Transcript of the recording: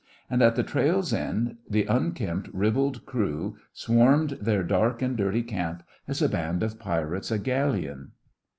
And at the trail's end the unkempt, ribald crew swarmed their dark and dirty camp as a band of pirates a galleon.